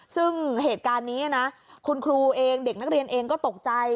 ซึ่งเหตุการณ์นี้นะคุณครูเองเด็กนักเรียนเองก็ตกใจ